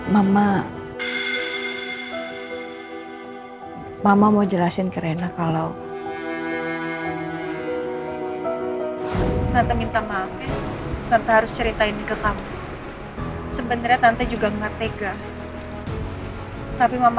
mama angin gak tinggalin aku di pantai asuhan